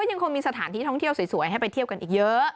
ยังคงมีสถานที่ท่องเที่ยวสวยให้ไปเที่ยวกันอีกเยอะ